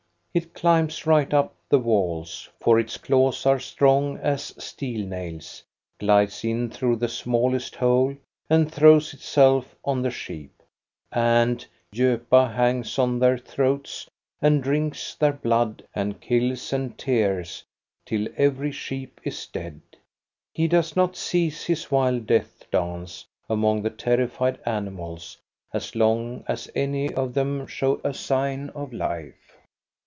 It climbs right up the walls, for its claws are strong as steel nails, glides in through the smallest hole, and throws itself on the sheep. And " gopa " hangs on their throats, and drinks their blood, and kills and tears, till every sheep is dead. He does not cease his wild death dance among the terrified animals as long as any of them show a sign of life.